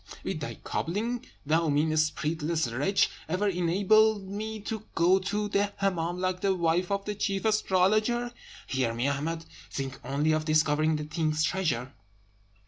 "Will thy cobbling, thou mean, spiritless wretch, ever enable me to go to the Hemmâm like the wife of the chief astrologer? Hear me, Ahmed! Think only of discovering the king's treasure.